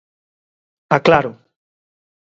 Aclaro.